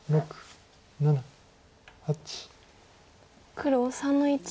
黒３の一。